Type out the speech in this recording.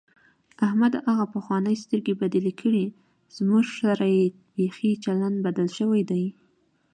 احمد هغه پخوانۍ سترګې بدلې کړې، زموږ سره یې بیخي چلند بدل شوی دی.